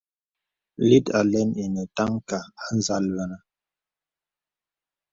Lít àlə̀n enə tànka à nzàl vənə.